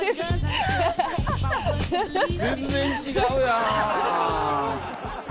全然違うやん！